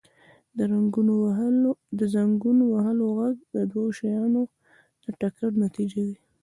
• د زنګون وهلو ږغ د دوو شیانو د ټکر نتیجه وي.